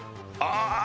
ああ。